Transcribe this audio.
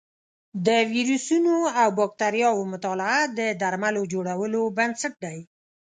د ویروسونو او بکتریاوو مطالعه د درملو جوړولو بنسټ دی.